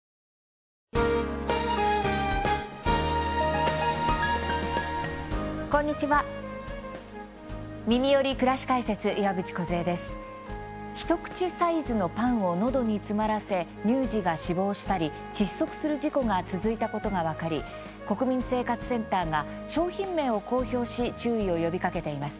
一口サイズのパンをのどに詰まらせ乳児が死亡したり窒息する事故が続いたことが分かり、国民生活センターが商品名を公表し注意を呼びかけています。